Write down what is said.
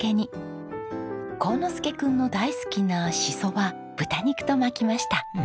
煌之助君の大好きなシソは豚肉と巻きました。